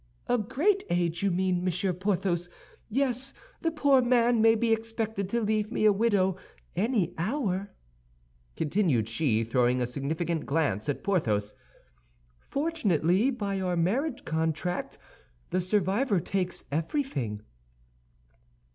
"A great age, you mean, Monsieur Porthos. Yes, the poor man may be expected to leave me a widow, any hour," continued she, throwing a significant glance at Porthos. "Fortunately, by our marriage contract, the survivor takes everything."